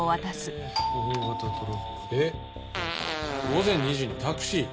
午前２時にタクシー？